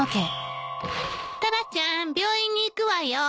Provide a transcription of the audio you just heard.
タラちゃん病院に行くわよ。